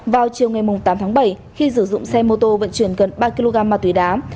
vào chiều ngày tám tháng bảy khi sử dụng xe mô tô vận chuyển gần ba kg ma túy đá